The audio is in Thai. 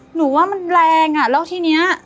หนูว่ามันแรงอ่ะแล้วทีนี้